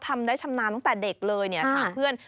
ทำได้ชำนาญตั้งแต่เด็กเลยเนี่ยถามเพื่อน